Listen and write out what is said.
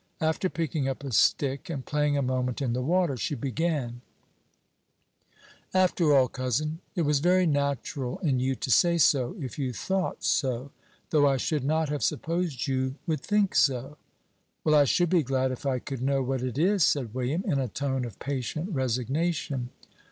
After picking up a stick, and playing a moment in the water, she began: "After all, cousin, it was very natural in you to say so, if you thought so; though I should not have supposed you would think so." "Well, I should be glad if I could know what it is," said William, in a tone of patient resignation.